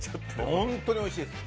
本当においしいです。